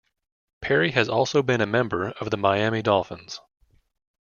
Perry has also been a member of the Miami Dolphins.